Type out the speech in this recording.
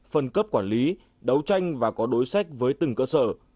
phân cấp quản lý đấu tranh và có đối sách với từng cơ sở